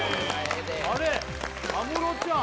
あれ安室ちゃん？